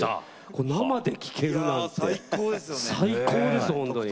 これ生で聴けるなんて最高です本当に。